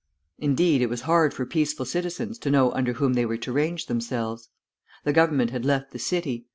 Indeed, it was hard for peaceful citizens to know under whom they were to range themselves. The Government had left the city.